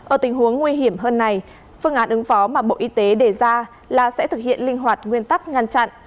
ở tình huống nguy hiểm hơn này phương án ứng phó mà bộ y tế đề ra là sẽ thực hiện linh hoạt nguyên tắc ngăn chặn